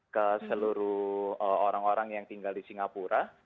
ke seluruh orang orang yang tinggal di singapura